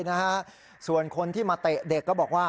ดูกันที่มาเจ๊เด็กก้บอกว่า